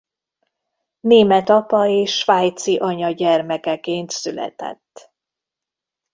Német apa és svájci anya gyermekeként született.